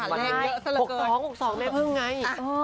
๖๒๖๒แม่เพิ่งไง